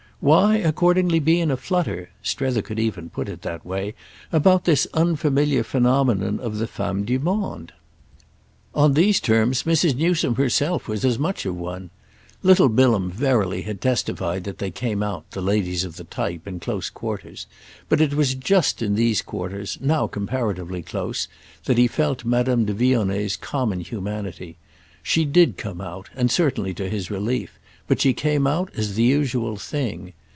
Why accordingly be in a flutter—Strether could even put it that way—about this unfamiliar phenomenon of the femme du monde? On these terms Mrs. Newsome herself was as much of one. Little Bilham verily had testified that they came out, the ladies of the type, in close quarters; but it was just in these quarters—now comparatively close—that he felt Madame de Vionnet's common humanity. She did come out, and certainly to his relief, but she came out as the usual thing.